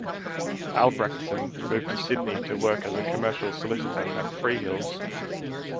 Albrechtsen moved to Sydney to work as a commercial solicitor at Freehills.